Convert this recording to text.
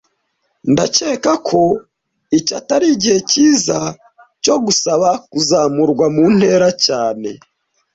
Ndakeka ko iki atari igihe cyiza cyo gusaba kuzamurwa mu ntera cyane